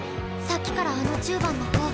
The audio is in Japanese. さっきからあの１０番の子。